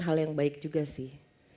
hal yang baik juga sih